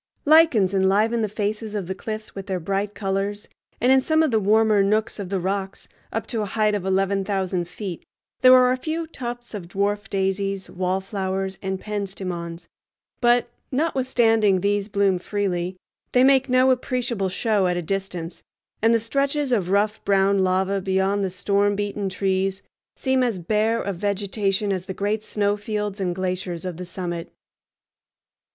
Lichens enliven the faces of the cliffs with their bright colors, and in some of the warmer nooks of the rocks, up to a height of eleven thousand feet, there are a few tufts of dwarf daisies, wallflowers, and penstemons; but, notwithstanding these bloom freely, they make no appreciable show at a distance, and the stretches of rough brown lava beyond the storm beaten trees seem as bare of vegetation as the great snow fields and glaciers of the summit.